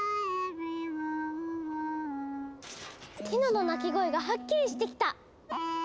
ティノの鳴き声がはっきりしてきた！